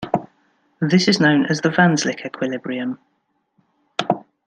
This is known as the Wanzlick equilibrium.